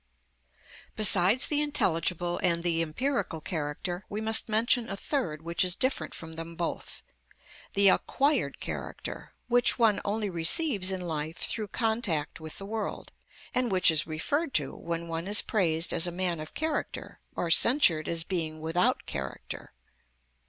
Besides the intelligible and the empirical character, we must mention a third which is different from them both, the acquired character, which one only receives in life through contact with the world, and which is referred to when one is praised as a man of character or censured as being without character.